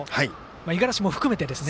五十嵐も含めてですが。